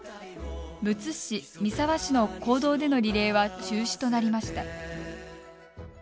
むつ市、三沢市の公道でのリレーは中止となりました。